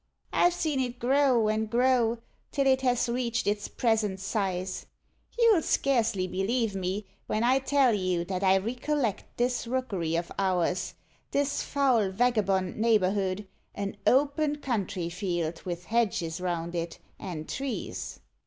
I've seen it grow, and grow, till it has reached its present size. You'll scarcely believe me, when I tell you, that I recollect this Rookery of ours this foul vagabond neighbourhood an open country field, with hedges round it, and trees.